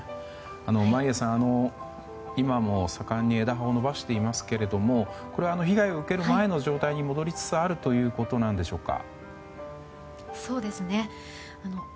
眞家さん、今も盛んに枝葉を伸ばしていますけれども被害を受ける前の状態に戻りつつあるということなんでしょうか。